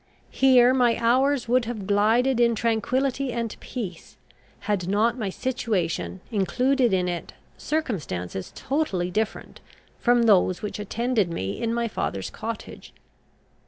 Here my hours would have glided in tranquillity and peace, had not my situation included in it circumstances totally different from those which attended me in my father's cottage.